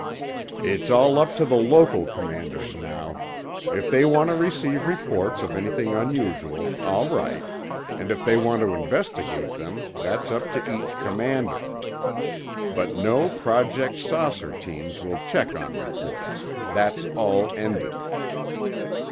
"It's all up to the local commanders now. If they want to receive reports of anything unusual, all right. And if they want to investigate them, that's up to each commander. But no Project 'Saucer' teams will check on reports. That's all ended."